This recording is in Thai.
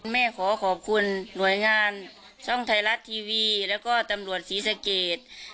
ขอขอบคุณหน่วยงานช่องไทยรัฐทีวีแล้วก็ตำรวจศรีสะเกด